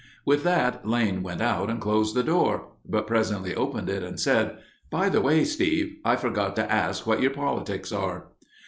With that Lane went out and closed the door, but presently opened it and said, "By the way, Steve, I forgot to ask what your politics are."